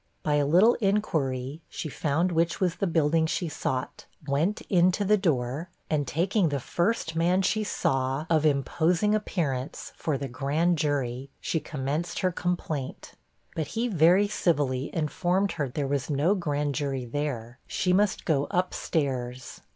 By a little inquiry, she found which was the building she sought, went into the door, and taking the first man she saw of imposing appearance for the grand jury, she commenced her complaint. But he very civilly informed her there was no Grand Jury there; she must go up stairs.